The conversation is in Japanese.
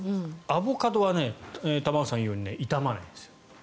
アボカドは玉川さんが言うように傷まないんですよ。